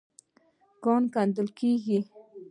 کان کيندل کېږي.